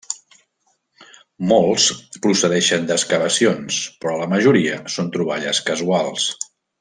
Molts procedeixen d'excavacions, però la majoria són troballes casuals.